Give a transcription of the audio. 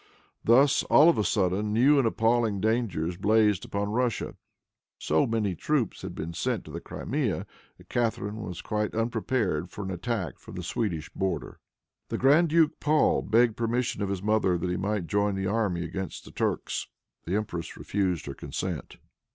Thus, all of a sudden, new and appalling dangers blazed upon Russia. So many troops had been sent to the Crimea that Catharine was quite unprepared for an attack from the Swedish frontier. The Grand Duke Paul begged permission of his mother that he might join the army against the Turks. The empress refused her consent.